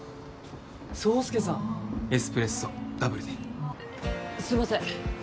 爽介さんエスプレッソダブルですいません